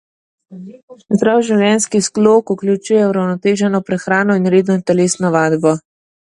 Zdrav življenjski slog vključuje uravnoteženo prehrano in redno telesno vadbo.